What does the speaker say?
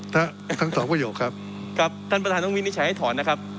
ทั้งสองประโยคครับครับท่านประธานต้องวินิจฉัยให้ถอนนะครับ